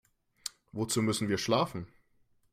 Wozu müssen wir schlafen?